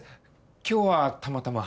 今日はたまたま。